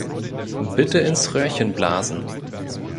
Bitte ins Röhrchen blasen.